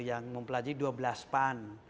yang mempelajari dua belas pan